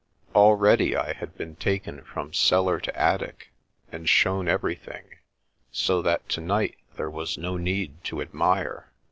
Already I had been taken from cellar to attic and shown every thing, so that to night there was no need to admire.